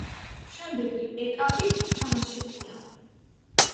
შემდეგი ეტაპი თამაშებია.